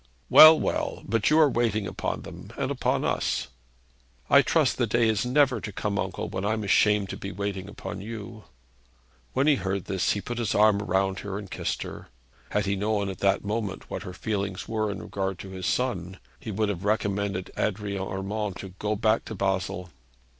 'Well, well; but you are waiting upon them, and upon us.' 'I trust the day is never to come, uncle, when I'm to be ashamed of waiting upon you.' When he heard this, he put his arm round her and kissed her. Had he known at that moment what her feelings were in regard to his son, he would have recommended Adrian Urmand to go back to Basle.